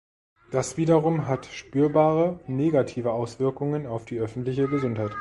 Das wiederum hat spürbare negative Auswirkungen auf die öffentliche Gesundheit.